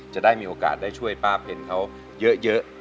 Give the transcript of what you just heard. จะได้มีโอกาสได้ช่วยป้าเพ็ญเขาเยอะ